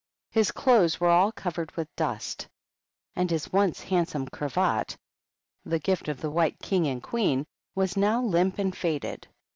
His clothes were all covered with dust, and his once handsome cravat — the gift of the White King HUMPTY DUMPTY. 87 and Queen — was now limp and faded.